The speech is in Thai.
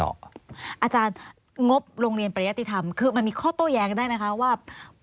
อาจารย์งบโรงเรียนประยะติธรรมคือมันมีข้อโต้แย้งได้ไหมคะว่า